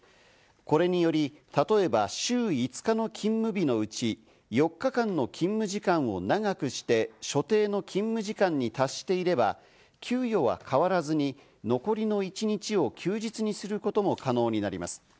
これにより、例えば週５日の勤務日のうち、４日間の勤務時間を長くして所定の勤務時間に達していれば、給与は変わらずに残りの１日を休日にすることも可能になります。